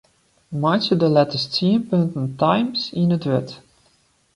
Meitsje de letters tsien punten Times yn it wurd.